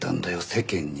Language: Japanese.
世間に。